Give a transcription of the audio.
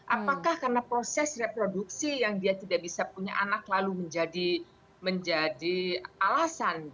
apakah karena proses reproduksi yang dia tidak bisa punya anak lalu menjadi alasan